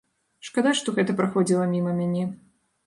Шкада, што гэта праходзіла міма мяне.